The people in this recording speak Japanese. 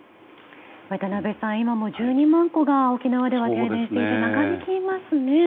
渡辺さん、今も１２万戸が沖縄では停電して長引きますね。